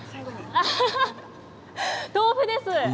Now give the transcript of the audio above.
豆腐です。